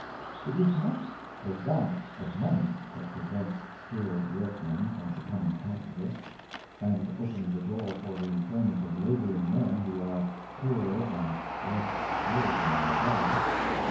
It is not the want of money that prevents skilled workmen from becoming capitalists, and opening the door for the employment of laboring men who are poorer and less skilled than themselves.